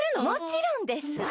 もちろんです。